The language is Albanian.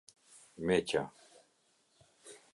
Meqa